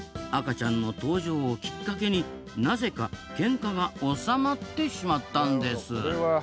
赤ちゃんの登場をきっかけになぜかけんかが収まってしまったんです。